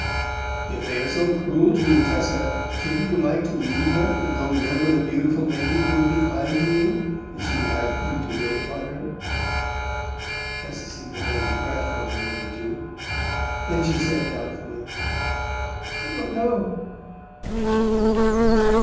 "If they are so cruel to you, Tessa, shouldn't you like to leave them, and go and live with a beautiful lady who would be kind to you, if she would have you to wait upon her?" Tessa seemed to hold her breath for a moment or two. Then she said doubtfully, "I don't know."